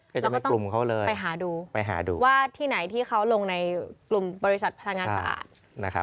ก็จะเป็นกลุ่มเขาเลยไปหาดูว่าที่ไหนที่เขาลงในกลุ่มบริษัทพลังงานสะอาด